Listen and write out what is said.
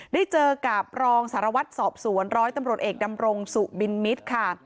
ได้เจอกับรองสารวัตรสอบสวนร้อยตำรวจเอกดำรงสุบินมิตรค่ะ